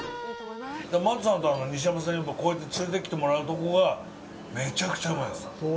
マトさんと西山さんにこうやって連れてきてもらうとこがめちゃくちゃうまいです。